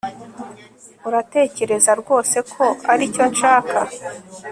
Uratekereza rwose ko aricyo nshaka